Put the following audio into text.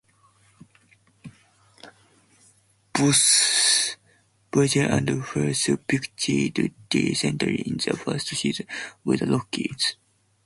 Both Buchholz and Hirsh pitched decently in their first season with the Rockies.